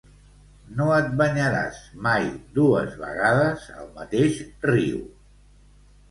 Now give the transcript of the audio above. No et banyaràs mai dues vegades al mateix riu.